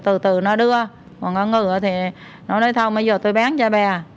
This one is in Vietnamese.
từ từ nó đưa còn có ngựa thì nó nói thông bây giờ tôi bán cho bè